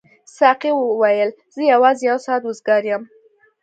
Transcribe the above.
ساقي وویل زه یوازې یو ساعت وزګار یم.